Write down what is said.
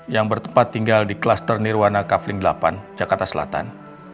yang bertempat tinggal di klaster nirwana kavling delapan jakarta selatan